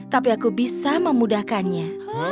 tapi aku bisa memudahkannya